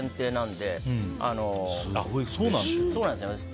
そうなんですよ。